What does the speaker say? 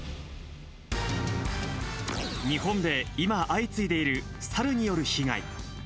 日本で今、相次いでいるサルによる被害。